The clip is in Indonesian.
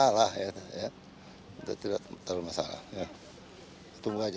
ya pada prinsip kan tidak terlalu masalah ya tidak terlalu masalah